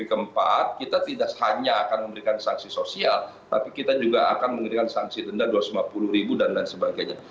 tapi ke depan setelah pspb keempat ini kita tidak hanya akan memberikan sanksi sosial tapi kita juga akan memberikan sanksi denda dua ratus lima puluh ribu dan sebagainya